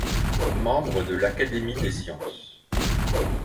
Membre de l'Académie des sciences.